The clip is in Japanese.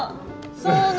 そう！